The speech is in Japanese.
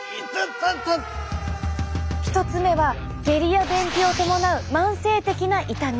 １つ目は下痢や便秘を伴う慢性的な痛み！